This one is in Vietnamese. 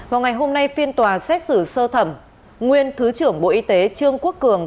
vào ngày hôm nay phiên tòa xét xử sơ thẩm nguyên thứ trưởng bộ y tế trương quốc cường